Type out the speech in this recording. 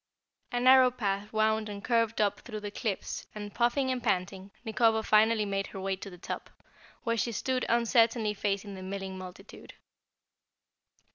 A narrow path wound and curved up through the cliffs and, puffing and panting, Nikobo finally made her way to the top, where she stood uncertainly facing the milling multitude.